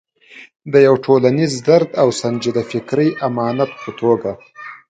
د یو ټولنیز درد او سنجیده فکري امانت په توګه.